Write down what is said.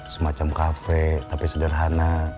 semacam kafe tapi sederhana